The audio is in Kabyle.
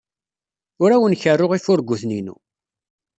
Ur awen-kerruɣ ifurguten-inu.